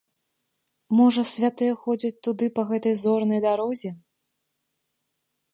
Можа, святыя ходзяць туды па гэтай зорнай дарозе.